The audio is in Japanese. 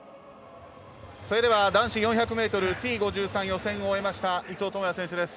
男子４００ｍＴ５３の予選を終えました伊藤智也選手です。